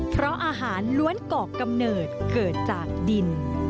เพราะอาหารล้วนก่อกำเนิดเกิดจากดิน